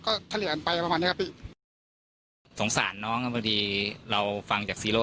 ก็เฉลี่ยกันไปประมาณนี้ครับพี่สงสารน้องนะบางทีเราฟังจากซีโร่